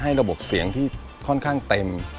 ระบบเสียงที่ค่อนข้างเต็ม